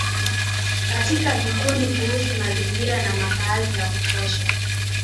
katika vikundi kuhusu mazingira na makaazi ya kutosha